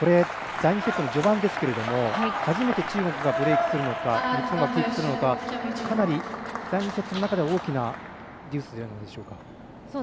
第２セットの序盤ですけども初めて中国がブレークするのか日本が取るのかかなり第２セットの中では大きなデュースじゃないでしょうか。